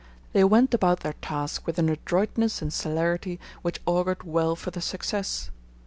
They went about their task with an adroitness and celerity which augured well for their success.